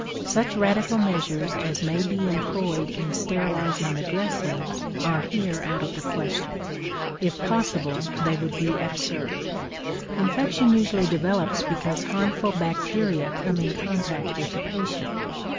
Such radical measures as may be employed in sterilizing the dressings are here out of the question; if possible, they would be absurd. Infection usually develops because harmful bacteria come in contact with the patient.